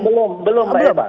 belum belum pak timo